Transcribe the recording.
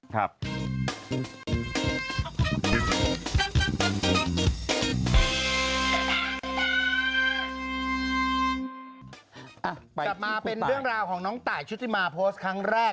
กลับมาเป็นเรื่องราวของน้องตายชุติมาโพสต์ครั้งแรก